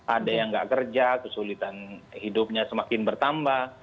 ada yang nggak kerja kesulitan hidupnya semakin bertambah